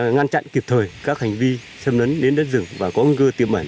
ngăn chặn kịp thời các hành vi xâm nấn đến đất rừng